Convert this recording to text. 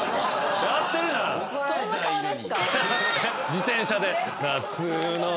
自転車で。